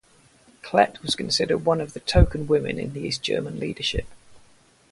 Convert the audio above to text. Klett was considered one of the token women in the East German leadership.